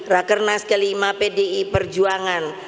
rekernas ke lima pdi perjuangan